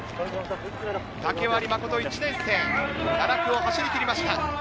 竹割真・１年生、７区を走りきりました。